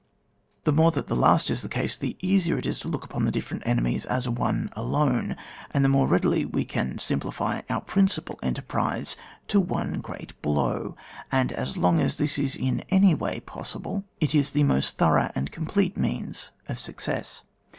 The more that the last is the case, the easier it is to look upon the different enemies as one alone, and the more readily we can simplify our principal enterprise to one great blow ; and as long as this is in any way possible, it is the most thorough and complete means of success.